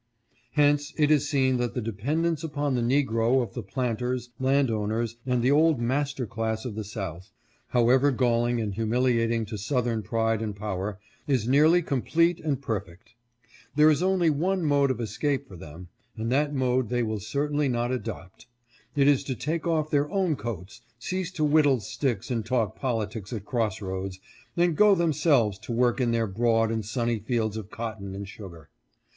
" Hence it is seen that the dependence upon the negro of the planters, land owners, and the old master class of the South, however galling and humiliating to Southern pride and power, is nearly complete and perfect. There is only one mode of escape for them, and that mode they will certainly not adopt. It is to take off their own coats, cease to whittle sticks and talk politics at cross roads, and go themselves to work in their broad and sunny fields of cotton and sugar.